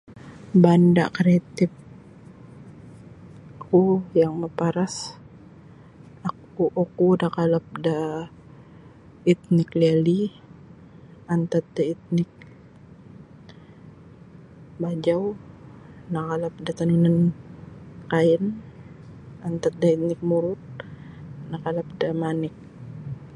Banda kreatif ku yang maparas aku oku nakalap da etnik liali antad da etnik bajau nakalap da tenunan kain antad da etnik murut nakalap da manik.